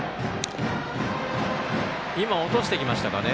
落としてきましたかね。